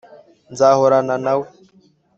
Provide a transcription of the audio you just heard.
nzahorana na we